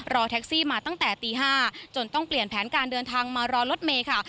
รอแท็กซี่มาตั้งแต่ตี๕จนต้องเปลี่ยนแผนการเดินทางมารอรถเมย์ค่ะ